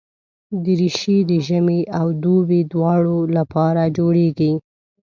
دریشي د ژمي او دوبي دواړو لپاره جوړېږي.